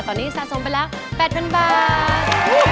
ตอนนี้สะสมไปแล้ว๘๐๐๐บาท